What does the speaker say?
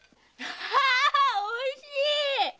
ああおいしい！